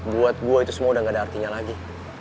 buat gue itu semua udah gak ada artinya lagi